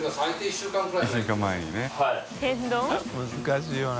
難しいよな。